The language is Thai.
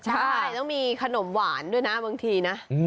ใช่ต้องมีขนมหวานด้วยนะบางทีนะ